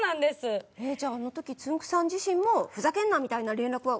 じゃああのときつんく♂さん自身も「ふざけんな！」みたいな連絡は。